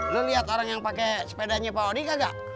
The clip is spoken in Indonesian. lo lihat orang yang pakai sepedanya pak odi enggak